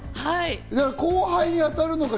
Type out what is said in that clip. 後輩に当たるのか！